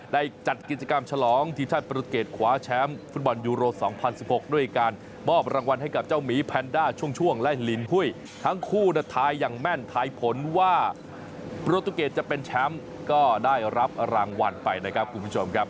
ได้จัดกิจกรรมฉลองที่ท่านปรุเกตคว้าแชมป์ฟุตบอลยูโร๒๐๑๖ด้วยการมอบรางวัลให้กับเจ้าหมีแพนด้าช่วงและลินหุ้ยทั้งคู่ทายอย่างแม่นทายผลว่าโปรตูเกตจะเป็นแชมป์ก็ได้รับรางวัลไปนะครับคุณผู้ชมครับ